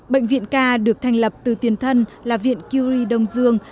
bệnh viện k được thành lập từ tiền thân là viện kiury đông dương